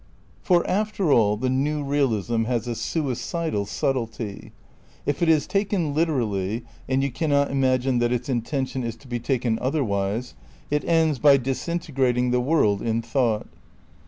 For, after all, the new realism has a suicidal subtlety. ^^^,, Ol>j6C> If it is taken literally — and you cannot miagme that its ttona intention is to be taken otherwise — it ends by disin tegrating the world in thought.